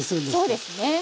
そうですね。